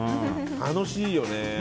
楽しいよね。